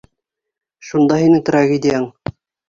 Шунда һинең трагедияң.